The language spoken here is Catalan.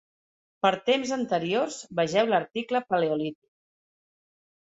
Per temps anteriors vegeu l'article paleolític.